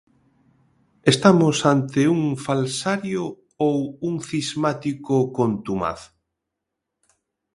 Estamos ante un falsario ou un cismático contumaz?